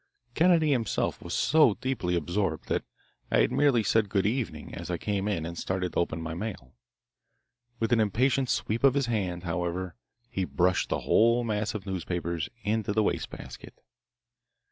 Kennedy himself was so deeply absorbed that I had merely said good evening as I came in and had started to open my mail. With an impatient sweep of his hand, however, he brushed the whole mass of newspapers into the waste basket.